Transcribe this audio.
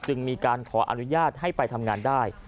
มีการขออนุญาตให้ไปทำงานได้